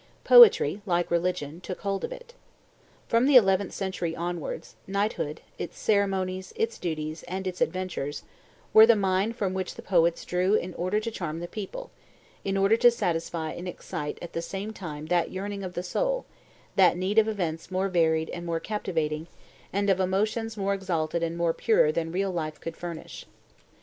Poetry, like religion, took hold of it. From the eleventh century onwards, knighthood, its ceremonies, its duties, and its adventures, were the mine from which the poets drew in order to charm the people, in order to satisfy and excite at the same time that yearning of the soul, that need of events more varied and more captivating, and of emotions more exalted and more pure than real life could furnish.